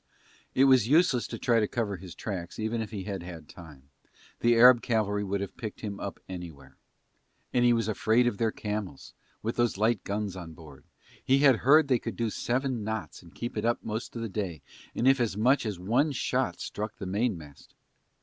It was useless to try to cover his tracks even if he had had time, the Arab cavalry could have picked them up anywhere. And he was afraid of their camels with those light guns on board, he had heard they could do seven knots and keep it up most of the day and if as much as one shot struck the mainmast...